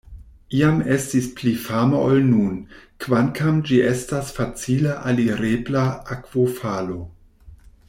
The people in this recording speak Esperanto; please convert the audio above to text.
Iam estis pli fama ol nun, kvankam ĝi estas facile alirebla akvofalo.